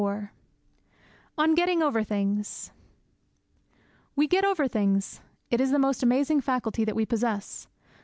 IV ON GETTING OVER THINGS We get over things. It is the most amazing faculty that we possess.